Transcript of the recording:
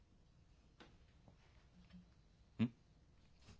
うん？